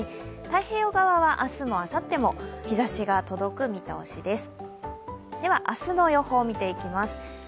太平洋側は明日もあさっても日ざしが届く見込みです。